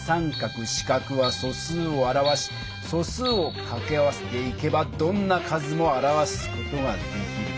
□は素数を表し素数をかけ合わせていけばどんな数も表す事ができる。